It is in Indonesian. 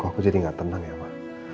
kok aku jadi gak tenang ya ma